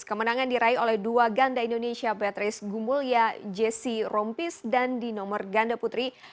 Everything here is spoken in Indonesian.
kemenangan diraih oleh dua ganda indonesia beatrice gumulya jesse rompis dan di nomor ganda putri